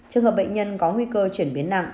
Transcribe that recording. trường hợp bệnh nhân có nguy cơ chuyển biến nặng